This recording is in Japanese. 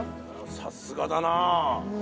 さすがだなあ。